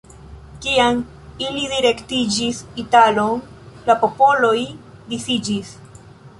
Kiam ili direktiĝis Italion la popoloj disiĝis.